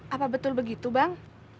apa betul begitu bang